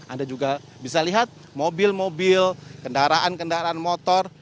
anda juga bisa lihat mobil mobil kendaraan kendaraan motor